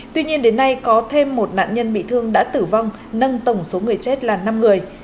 tuy nhiên đến nay có thêm một nạn nhân bị thương đã tử vong nâng tổng số người chết là năm người